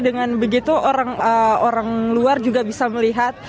dengan begitu orang luar juga bisa melihat